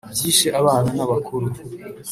byishe abana n’abakuru